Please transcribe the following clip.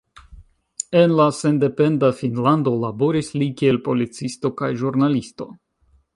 En la sendependa Finnlando laboris li kiel policisto kaj ĵurnalisto.